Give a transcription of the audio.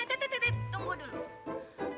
eh tete tete tete tunggu dulu